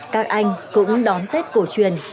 các anh cũng đón tết cổ truyền